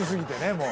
もう。